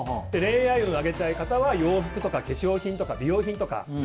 恋愛運を上げたい方は洋服とか化粧品とか美容品とか。